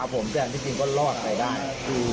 ครับผมแต่อันที่จริงก็ลอดใส่ได้